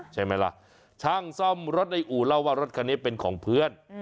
ใช่ไหมล่ะช่างซ่อมรถในอู่เล่าว่ารถคันนี้เป็นของเพื่อน